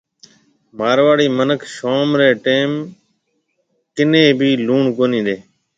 مارواڙِي مِنک شوم ري ٽيم ڪَني ڀِي لُوڻ ڪونِي ڏيَ هيَ۔